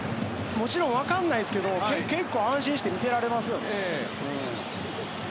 もちろん分からないですけど結構安心して見ていられますよね。